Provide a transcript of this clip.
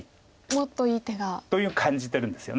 もっといい手が。と感じてるんですよね。